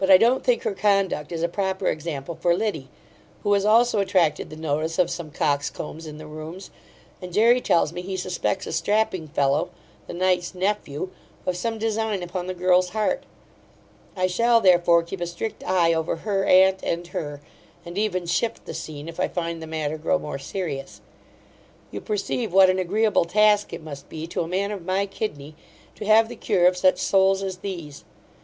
But I don't think her conduct is a proper example for Liddy, who has also attracted the notice of some coxcombs in the Rooms; and Jery tells me, he suspects a strapping fellow, the knight's nephew, of some design upon the girl's heart. I shall, therefore, keep a strict eye over her aunt and her, and even shift the scene, if I find the matter grow more serious You perceive what an agreeable task it must be, to a man of my kidney, to have the cure of such souls as these.